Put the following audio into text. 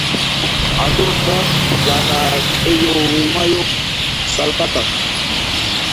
Atuqqa yana q'illu willmayuq sallqataq.